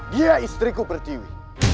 dia istriku pertiwi